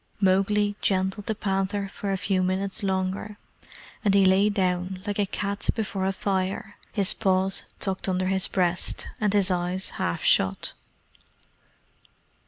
Mowgli gentled the panther for a few minutes longer, and he lay down like a cat before a fire, his paws tucked under his breast, and his eyes half shut.